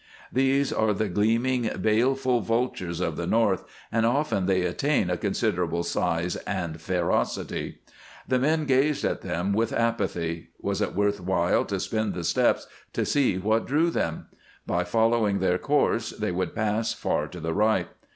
These are the gleaming, baleful vultures of the North, and often they attain a considerable size and ferocity. The men gazed at them with apathy. Was it worth while to spend the steps to see what drew them? By following their course they would pass far to the right.